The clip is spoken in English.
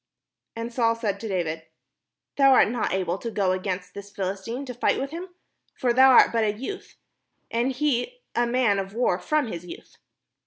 And Saul said to David: "Thou art not able to go against this Philistine to fight with him: for thou art but a youth, and he a man of war from his youth."